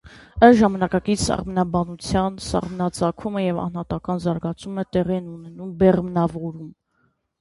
Ըստ ժամանակակից սաղմնաբանության սաղմնածագումը և անհատական զարգացումը տեղի են ունենում բեղմնավորում։